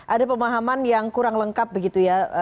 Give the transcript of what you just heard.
ada pemahaman yang kurang lengkap begitu ya